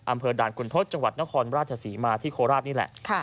อำเภอด่านคุณทศจังหวัดนครราชศรีมาที่โคราชนี่แหละ